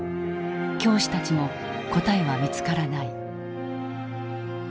教師たちも答えは見つからない。